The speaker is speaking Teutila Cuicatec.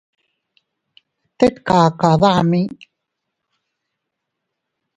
Tet kaka dami.